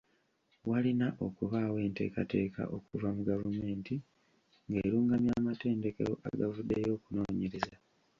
Walina okubaawo enteekateeka okuva mu gavumenti ng'erungamya amatendekero agavuddeyo okunoonyereza.